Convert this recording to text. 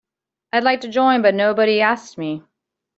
I'd like to join but nobody asked me.